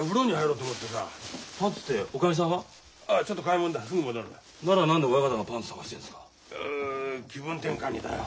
うう気分転換にだよ。